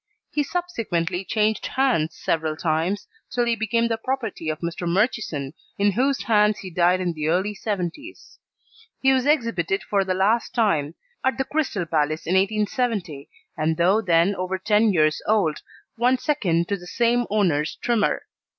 He subsequently changed hands several times, till he became the property of Mr. Murchison, in whose hands he died in the early 'seventies. He was exhibited for the last time at the Crystal Palace in 1870, and though then over ten years old won second to the same owner's Trimmer.